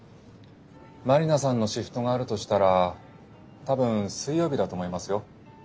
マリナさんのシフトがあるとしたら多分水曜日だと思いますよ。